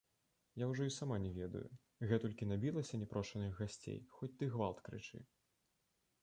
Я ўжо і сама не ведаю, гэтулькі набілася няпрошаных гасцей, хоць ты гвалт крычы.